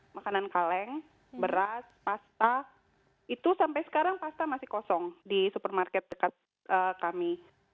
makanan kaleng beras pasta itu sampai sekarang pasta masih kosong di supermarket dekat kami